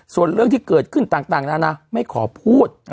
ส่วนเรื่องที่เกิดขึ้นต่างแล้วนะไม่ขอพูด